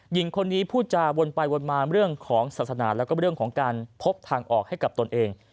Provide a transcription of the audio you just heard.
หญิงคนนี้พูดจะวนไปวนมาเรื่องของศาสนาและการพบทางออกให้กับนักโทษ